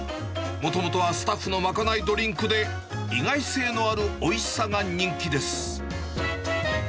もともとはスタッフの賄いドリンクで、意外性のあるおいしさが人気です。